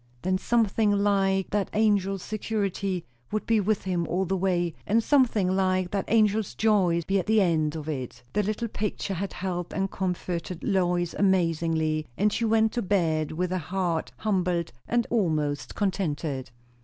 Then something like that angel's security would be with him all the way, and something like that angel's joy be at the end of it. The little picture had helped and comforted Lois amazingly, and she went to bed with a heart humbled and almost contented.